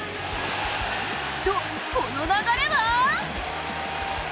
と、この流れは！？